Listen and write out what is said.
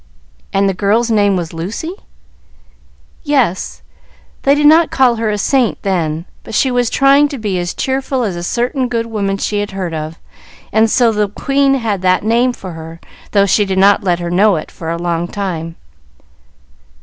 "And the girl's name was Lucy?" "Yes; they did not call her a saint then, but she was trying to be as cheerful as a certain good woman she had heard of, and so the queen had that name for her, though she did not let her know it for a long time."